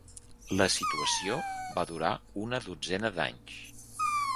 La situació va durar una dotzena d'anys.